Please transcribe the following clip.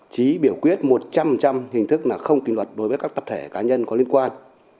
chí biểu quyết một trăm linh hình thức là không kỳ luật đối với các tập thể cá nhân có liên quan